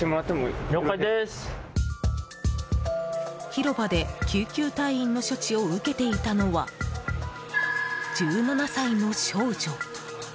広場で救急隊員の処置を受けていたのは、１７歳の少女。